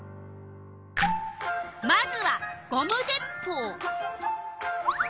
まずはゴム鉄ぽう。